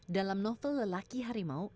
dalam novel lelaki harimau